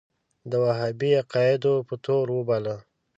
د وهابي عقایدو په تور وباله.